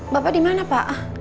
bapak dimana pak